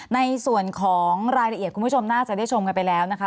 ในส่วนของรายละเอียดคุณผู้ชมน่าจะได้ชมกันไปแล้วนะคะ